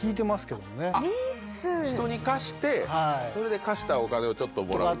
人に貸してそれで貸したお金をちょっともらう。